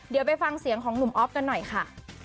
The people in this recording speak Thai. เดี๋ยวไปฟังเสียงของหนุ่มอ๊อฟกันหน่อยค่ะ